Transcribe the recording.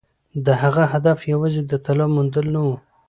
د هغه هدف یوازې د طلا موندل نه وو.